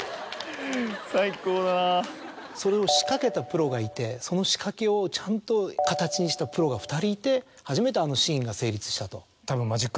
それを仕掛けたプロがいてその仕掛けをちゃんと形にしたプロが２人いて初めてあのシーンが成立したと。